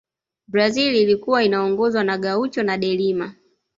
brazil ilikuwa inaongozwa na gaucho na delima